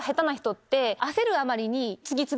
焦るあまりに次次！